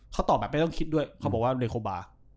เขาตอบแบบไม่ต้องคิดด้วยเขาบอกว่าเดโคบา